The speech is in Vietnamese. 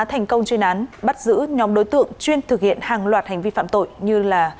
thành công chuyên án bắt giữ nhóm đối tượng chuyên thực hiện hàng loạt hành vi phạm tội như là